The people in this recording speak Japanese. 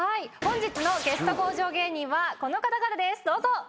本日のゲスト向上芸人はこの方々ですどうぞ。